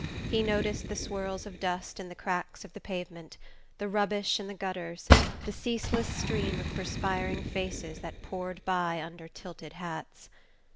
He noticed the swirls of dust in the cracks of the pavement, the rubbish in the gutters, the ceaseless stream of perspiring faces that poured by under tilted hats.